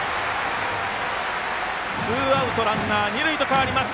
ツーアウトランナー、二塁と変わります。